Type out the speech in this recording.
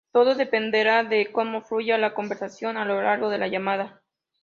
Todo dependerá de como fluya la conversación a lo largo de la llamada.